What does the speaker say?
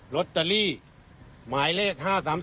รถตาลีหมายเลข๕๓๓๗๒๖